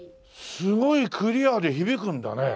すごいクリアで響くんだね！